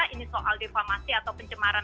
ini soal defamasi atau pencemaran